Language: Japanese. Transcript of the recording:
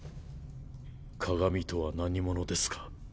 鏡とは何者ですか？